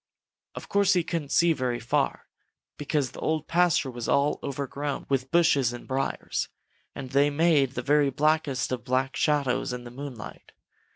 Of course he couldn't see very far, because the Old Pasture was all overgrown with bushes and briars, and they made the very blackest of black shadows in the moonlight.